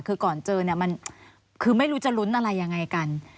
คือก่อนเจอคือไม่รู้จะลุ้นอะไรยังไงกัน